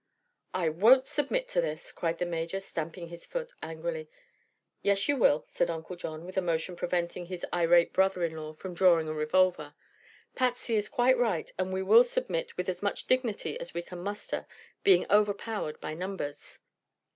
"I won't submit to this!" cried the Major, stamping his foot angrily. "Yes, you will," said Uncle John, with a motion preventing his irate brother in law from drawing a revolver, "Patsy is quite right, and we will submit with as much dignity as we can muster, being overpowered by numbers."